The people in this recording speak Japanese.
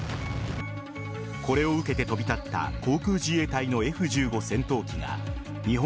これを受けて飛び立った航空自衛隊のＦ‐１５戦闘機が日本